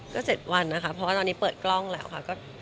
ก็เจ็ดวันนะคะเพราะว่าเปิดกล้องแล้วค่ะ